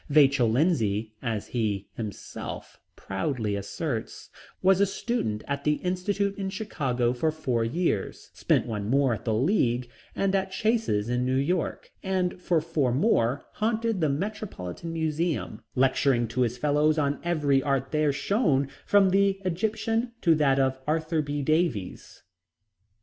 Vachel Lindsay (as he himself proudly asserts) was a student at the Institute in Chicago for four years, spent one more at the League and at Chase's in New York, and for four more haunted the Metropolitan Museum, lecturing to his fellows on every art there shown from the Egyptian to that of Arthur B. Davies.